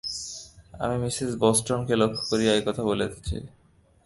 আমি মিসেস বেসাণ্টকে লক্ষ্য করিয়া এ-কথা বলিতেছি।